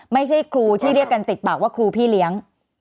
ไม่ใช่ครูที่เรียกกันติดปากว่าครูพี่เลี้ยง